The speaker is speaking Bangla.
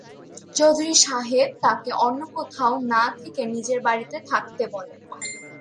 চৌধুরী সাহেব তাকে অন্য কোথাও না থেকে নিজের বাড়িতে থাকতে বলেন।